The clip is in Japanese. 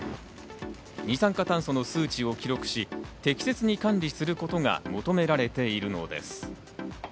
二酸化炭素の数値を記録し、適切に管理することが求められているのです。